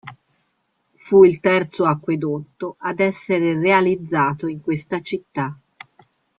Fu il terzo acquedotto ad essere realizzato in questa città.